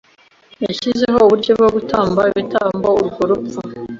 yashyizeho uburyo bwo gutamba ibitambo; urwo rupfu